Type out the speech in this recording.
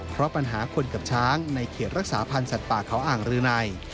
เพราะปัญหาคนกับช้างในเขตรักษาพันธ์สัตว์ป่าเขาอ่างรืนัย